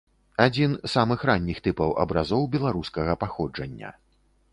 Адзін самых ранніх тыпаў абразоў беларускага паходжання.